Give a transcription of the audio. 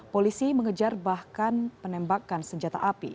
polisi mengejar bahkan penembakan senjata api